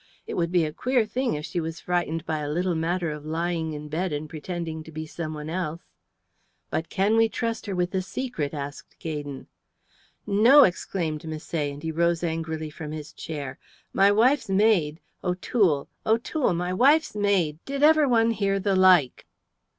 It would be a queer thing if she was frightened by a little matter of lying in bed and pretending to be someone else." "But can we trust her with the secret?" asked Gaydon. "No!" exclaimed Misset, and he rose angrily from his chair. "My wife's maid O'Toole O'Toole my wife's maid. Did ever one hear the like?"